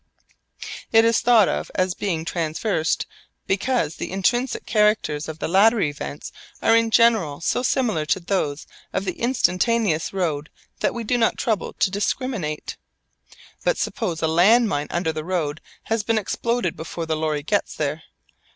It is thought of as being traversed because the intrinsic characters of the later events are in general so similar to those of the instantaneous road that we do not trouble to discriminate. But suppose a land mine under the road has been exploded before the lorry gets there.